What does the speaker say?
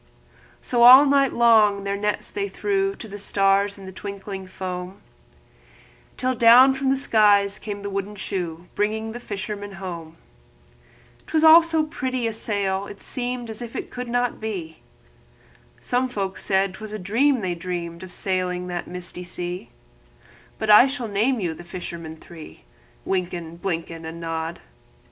All night long their nets they threw For the fish in the twinkling foam, Then down from the sky came the wooden shoe, Bringing the fishermen home; 'T was all so pretty a sail, it seemed As if it could not be; And some folk thought 't was a dream they'd dreamed Of sailing that beautiful sea; But I shall name you the fishermen three: Wynken, Blynken, And Nod.